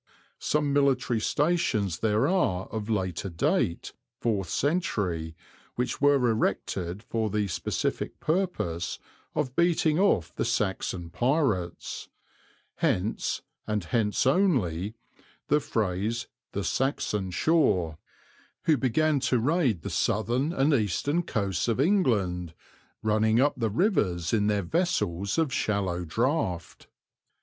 Some military stations there are of later date, fourth century, which were erected for the specific purpose of beating off the Saxon pirates (hence, and hence only, the phrase "the Saxon Shore") who began to raid the southern and eastern coasts of England, running up the rivers in their vessels of shallow draft.